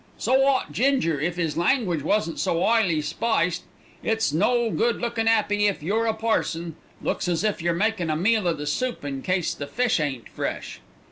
"So ought Ginger, if 'is language wasn't so 'ighly spiced. It's no good lookin' 'appy if you're a parson. Looks as if yer makin' a meal o' the soup in case the fish ain't fresh.